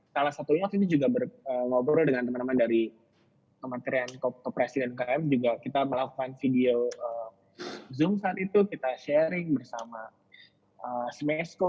kami juga berbicara dengan teman teman dari kementerian kepresiden km juga kita melakukan video zoom saat itu kita sharing bersama smashco